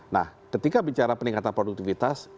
nah ketika bicara peningkatan produktivitas